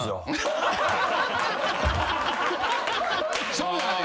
そうなのよ。